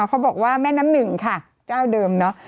เขาบอกว่าแม่น้ำหนึ่งค่ะเจ้าเดิมเนาะ